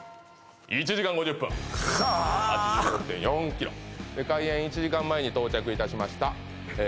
１時間５０分８６．４ｋｍ開演１時間前に到着いたしましたえ